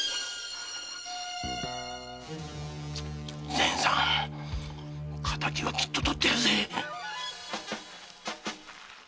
善さん敵はきっと取ってやるぜ。